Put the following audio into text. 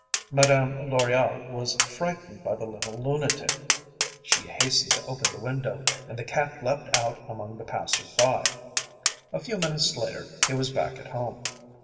Mme. Loriol was frightened by the little lunatic; she hastened to open the window; and the Cat leapt out among the passers by. A few minutes later, he was back at home.